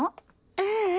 ううん。